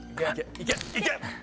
いけ！